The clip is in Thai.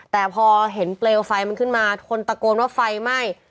แต่พอเห็นเปลวไฟมันขึ้นมาคนตะโกนว่าไฟไหม้